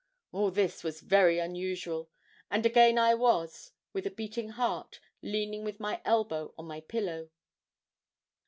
All this was very unusual, and again I was, with a beating heart, leaning with my elbow on my pillow.